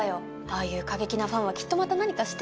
ああいう過激なファンはきっとまた何かしてくるわよ。